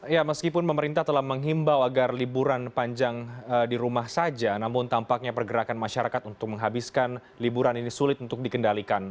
ya meskipun pemerintah telah menghimbau agar liburan panjang di rumah saja namun tampaknya pergerakan masyarakat untuk menghabiskan liburan ini sulit untuk dikendalikan